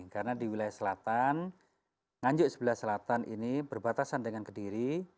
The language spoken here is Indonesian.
karena di wilayah selatan nganjung sebelah selatan ini berbatasan dengan kediri